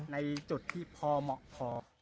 ในจุดที่พอเหมาะพอ